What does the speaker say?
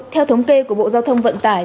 theo thống kê của bộ giao thông vận tải